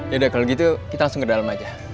yaudah kalau gitu kita langsung ke dalam aja